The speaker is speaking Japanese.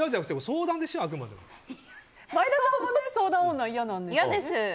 前田さんは相談女嫌なんですよね？